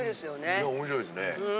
いや面白いですね。